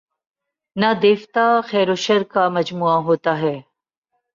نہ دیوتا، خیر وشرکا مجموعہ ہوتا ہے۔